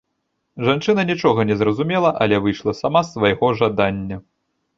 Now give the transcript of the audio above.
Жанчына нічога не зразумела, але выйшла сама, з свайго жадання.